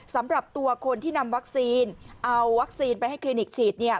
สำหรับตัวคนที่นำวัคซีนเอาวัคซีนไปให้คลินิกฉีด